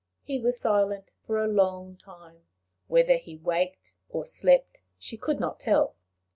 He was silent for a long time whether he waked or slept she could not tell.